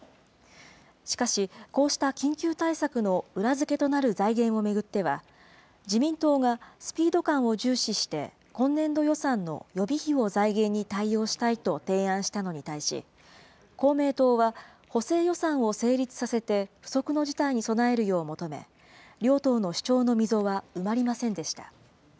しかし、こうした緊急対策の裏付けとなる財源を巡っては、自民党が、スピード感を重視して、今年度予算の予備費を財源に対応したいと提案したのに対し、公明党は補正予算を成立させて、不測の事態に備えるよう求め、両党の主張の溝は埋まりませんでした。